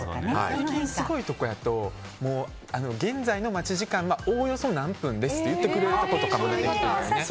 最近すごいとこやと現在の待ち時間はおおよそ何分ですって言ってくれるところもあって。